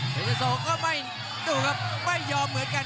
เพชรโสก็ไม่ยอมเหมือนกัน